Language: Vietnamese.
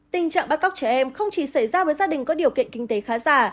tình trạng bắt cóc trẻ em không chỉ xảy ra với gia đình có điều kiện kinh tế khá giả